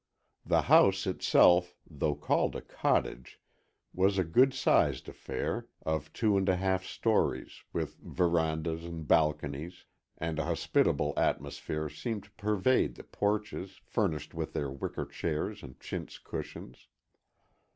The house itself, though called a cottage, was a good sized affair, of two and a half stories, with verandahs and balconies, and a hospitable atmosphere seemed to pervade the porches, furnished with wicker chairs and chintz cushions.